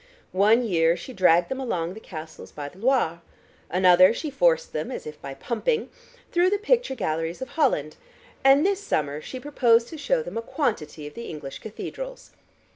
One year she dragged them along the castles by the Loire, another she forced them, as if by pumping, through the picture galleries of Holland, and this summer she proposed to show them a quantity of the English cathedrals.